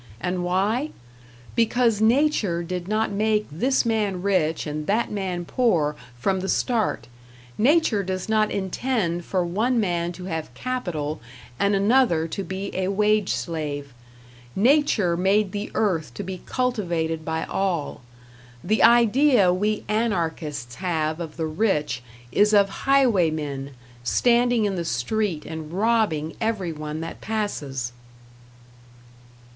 And why? Because Nature did not make this man rich and that man poor from the start. Nature does not intend for one man to have capital and another to be a wage slave. Nature made the earth to be cultivated by all. The idea we Anarchists have of the rich is of highwaymen, standing in the street and robbing every one that passes.